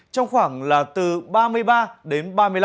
trong khoảng là từ ba mươi ba đến ba mươi năm